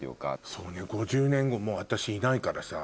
そうね５０年後もう私いないからさ。